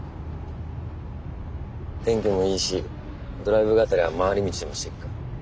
天気もいいしドライブがてら回り道でもしていくか。